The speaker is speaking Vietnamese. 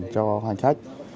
cho hành khách